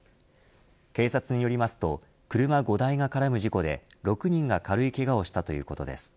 警察によりますと車５台が絡む事故で６人が軽いけがをしたということです。